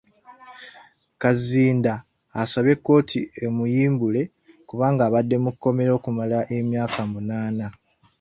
Kazinda asabye kkooti emuyimbule kubanga abadde mu kkomera okumala emyaka munaana.